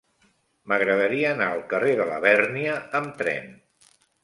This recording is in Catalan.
M'agradaria anar al carrer de Labèrnia amb tren.